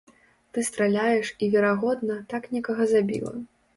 Ты страляеш і, верагодна, так некага забіла.